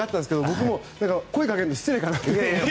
僕も声かけるの失礼かなと思って。